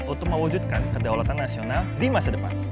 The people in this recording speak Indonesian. untuk mewujudkan kedaulatan nasional di masa depan